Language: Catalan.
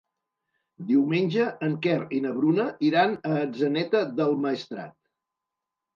Diumenge en Quer i na Bruna iran a Atzeneta del Maestrat.